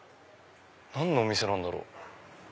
何のお店なんだろう？